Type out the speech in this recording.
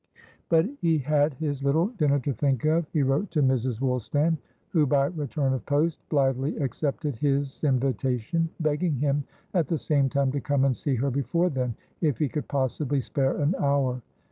But he had his little dinner to think of. He wrote to Mrs. Woolstan, who, by return of post, blithely accepted his invitation, begging him, at the same time, to come and see her before then, if he could possibly spare an hour.